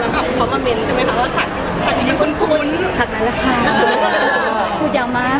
ผมเข้ามันบินใช่ไหมตะและหักหักดีวันคุ้นหักนั้นก็ค่ะพูดยาวมาก